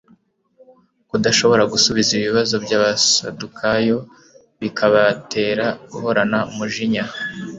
Kudashobora gusubiza ibibazo by'abasadukayo, bikabatera guhorana umujinya.